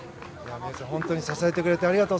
本当に支えてくれてありがとう。